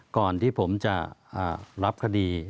ก่อนที่ผมจะรับคดี